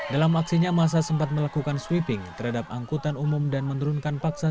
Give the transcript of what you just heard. dalam aksinya masa sempat melakukan sweeping terhadap angkutan umum dan menurunkan paksa